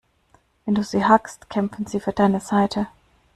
Wenn du sie hackst, kämpfen sie für deine Seite.